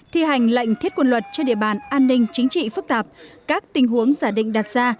thi hành lệnh thiết quân luật trên địa bàn an ninh chính trị phức tạp các tình huống giả định đặt ra